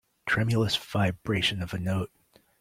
Tremulous vibration of a note